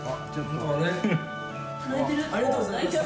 ありがとうございます。